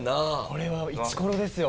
これはイチコロですよ